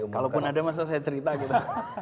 kalaupun ada masa saya cerita gitu